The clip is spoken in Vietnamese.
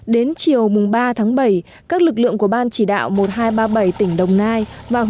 đến chiều ba bảy các lực lượng của ban chỉ đạo một nghìn hai trăm ba mươi bảy tỉnh đồng nai